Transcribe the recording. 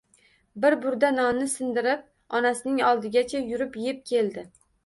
Bir burda nonni sindirib, onasining oldigacha yurib eb keldi